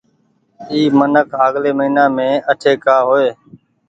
اي منک آگلي مهينآ مين اٺي ڪآ هو ئي۔